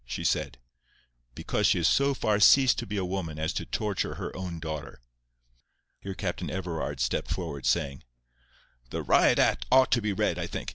she said. "Because she has so far ceased to be a woman as to torture her own daughter." Here Captain Everard stepped forward, saying,— "The riot act ought to be read, I think.